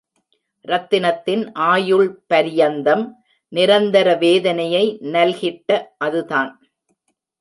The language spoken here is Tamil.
ரத்தினத்தின் ஆயுள் பரியந்தம் நிரந்தர வேதனையை நல்கிட்ட அதுதான்.